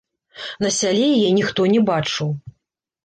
На сяле яе ніхто не бачыў.